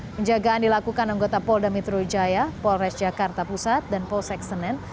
penjagaan dilakukan anggota polda metro jaya polres jakarta pusat dan polsek senen